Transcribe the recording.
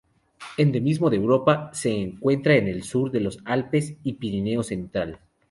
Endemismo de Europa: se encuentra en el sur de los Alpes y Pirineo central.